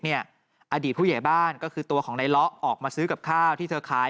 อดีตผู้ใหญ่บ้านก็คือตัวของนายเลาะออกมาซื้อกับข้าวที่เธอขาย